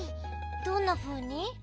どんなふうに？